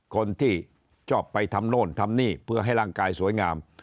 คนที่ชอบไปทำโน่นทำนี่เพื่อให้ร่างกายสวยงาม